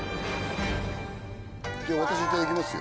では私いただきますよ。